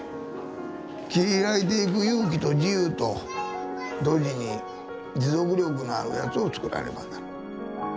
切り開いていく勇気と自由と同時に持続力のあるやつをつくらねばならん。